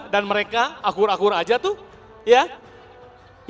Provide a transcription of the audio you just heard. dan mereka akur akur aja tuh